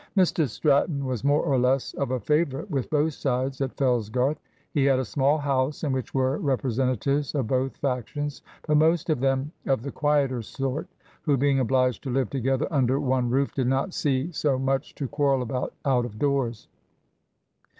Mr Stratton was more or less of a favourite with both sides at Fellsgarth. He had a small house, in which were representatives of both factions, but most of them of the quieter sort, who, being obliged to live together under one roof, did not see so much to quarrel about out of doors.